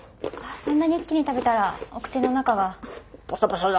そんなに一気に食べたらお口の中が。